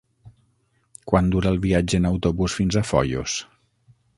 Quant dura el viatge en autobús fins a Foios?